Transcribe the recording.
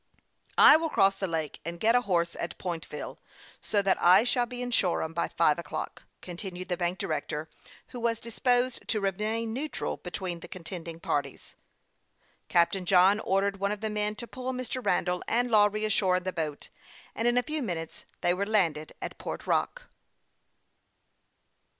" I will cross the lake, and get a horse at Point ville, so that I shall be in Shoreham by five o'clock," continued the bank director, who was disposed to remain neutral between the contending parties. Captain John ordered one of the men to pull Mr. Randall and Lawry ashore in the boat, and in a few minutes they were landed at Port Hock.